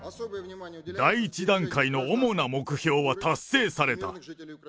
第１段階の主な目標は達成された。